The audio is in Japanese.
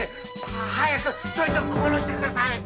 早くそいつを殺してください！